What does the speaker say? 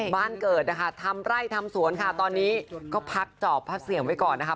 บ้านเกิดนะคะทำไร่ทำสวนค่ะตอนนี้ก็พักจอบพักเสี่ยงไว้ก่อนนะคะ